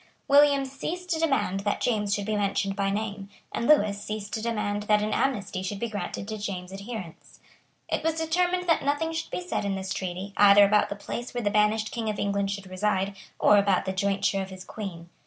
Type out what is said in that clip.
William ceased to demand that James should be mentioned by name; and Lewis ceased to demand that an amnesty should be granted to James's adherents. It was determined that nothing should be said in the treaty, either about the place where the banished King of England should reside, or about the jointure of his Queen.